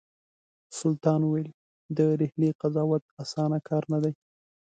سلطان ویل د ډهلي قضاوت اسانه کار نه دی.